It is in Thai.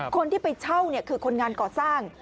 คนที่ไปเช่าคือคนงานก่อสร้าง